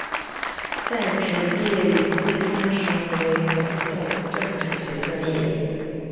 在职毕业于四川省委党校政治学专业。